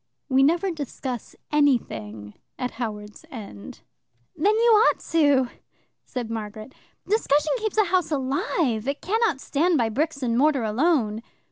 We never discuss anything at Howards End." "Then you ought to!" said Margaret. "Discussion keeps a house alive. It cannot stand by bricks and mortar alone."